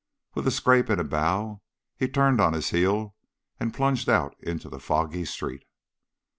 With a scrape and a bow, he turned on his heel, and plunged out into the foggy street.